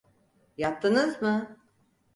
Yattınız mı?